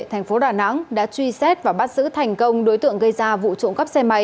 thành phố đà nẵng đã truy xét và bắt giữ thành công đối tượng gây ra vụ trộm cắp xe máy